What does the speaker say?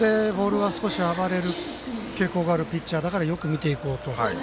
ボールが暴れる傾向があるピッチャーだからよく見ていこうと。